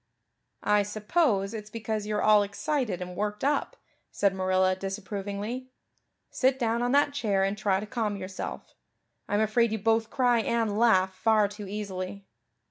"I suppose it's because you're all excited and worked up," said Marilla disapprovingly. "Sit down on that chair and try to calm yourself. I'm afraid you both cry and laugh far too easily.